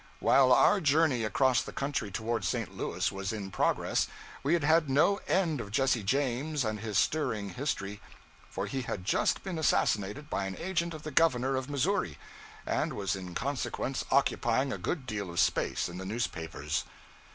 While our journey across the country towards St. Louis was in progress we had had no end of Jesse James and his stirring history; for he had just been assassinated by an agent of the Governor of Missouri, and was in consequence occupying a good deal of space in the newspapers.